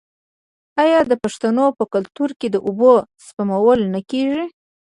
آیا د پښتنو په کلتور کې د اوبو سپمول نه کیږي؟